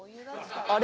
あれ？